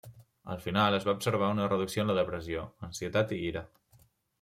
Al final, es va observar una reducció en la depressió, ansietat i ira.